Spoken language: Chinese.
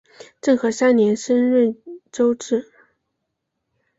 政和三年升润州置。